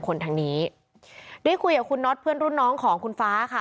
คนทางนี้ได้คุยกับคุณน็อตเพื่อนรุ่นน้องของคุณฟ้าค่ะ